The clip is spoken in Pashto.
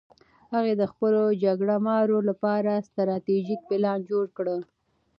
هغه د خپلو جګړه مارو لپاره ستراتیژیک پلان جوړ کړ.